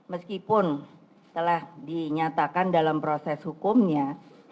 meskipun telah dinyatakan dalam proses hukumnya